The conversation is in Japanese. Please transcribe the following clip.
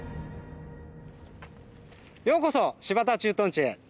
ようこそ新発田駐屯地へ。